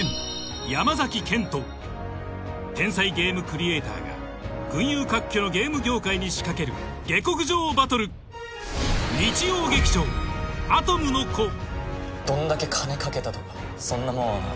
天才ゲームクリエイターが群雄割拠のゲーム業界に仕掛ける下剋上バトルどんだけ金掛けたとかそんなもんはな